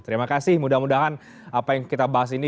terima kasih mudah mudahan apa yang kita bahas ini